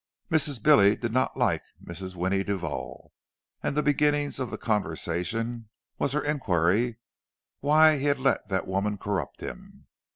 Mrs. Billy did not like Mrs. Winnie Duval; and the beginning of the conversation was her inquiry why he let that woman corrupt him.